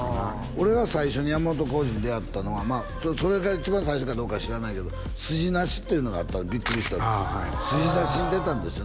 俺は最初に山本耕史に出会ったのはそれが一番最初かどうかは知らないけど「スジナシ」っていうのがあったビックリした「スジナシ」に出たんですよ